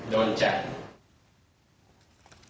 ๒โดนใจ